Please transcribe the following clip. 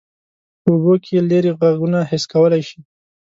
په اوبو کې لیرې غږونه حس کولی شي.